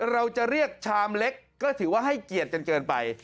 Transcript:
เราจะเรียกชามเล็กก็ถือว่าให้เกียรติกันเกินไป